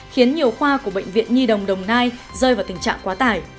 khiến nhiều khoa của bệnh viện nhi đồng đồng nai rơi vào tình trạng quá tải